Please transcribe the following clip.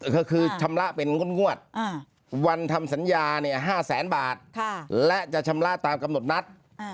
ก็คือชำระเป็นงวดวันทำสัญญา๕แสนบาทและจะชำระตามกำหนดนัด